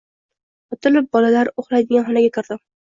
Otilib bolalar uxlaydigan xonaga kirdim